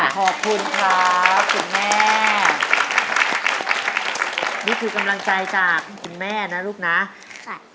ขอบคุณครับคุณแม่นี่คือกำลังใจจากคุณแม่นะลูกนะจ้ะ